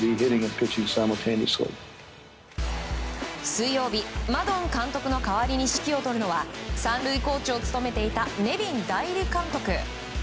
水曜日マドン監督の代わりに指揮を執るのは３塁コーチを務めていたネビン代理監督。